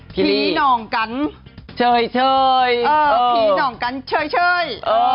ผีน้องกันเฉย